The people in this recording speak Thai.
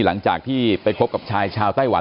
หลังจากที่ไปพบกับชายชาวไต้หวัน